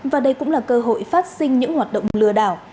và đây cũng là cơ hội phát sinh những hoạt động lừa đảo